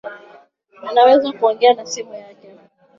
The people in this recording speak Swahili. Anaweza kuongea na simu yake